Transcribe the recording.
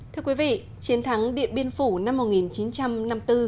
thưa quý vị chiến thắng điện biên phủ năm một nghìn chín trăm chín mươi năm